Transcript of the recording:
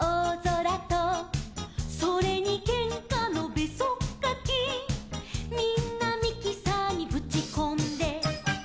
「それにけんかのべそっかき」「みんなミキサーにぶちこんで」